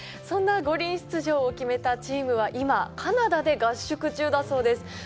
そんな五輪出場を決めたチームは今カナダで合宿中だそうです。